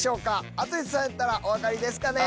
淳さんやったらお分かりですかね？